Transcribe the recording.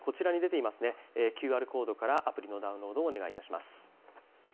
ＱＲコードからアプリのダウンロードをお願いします。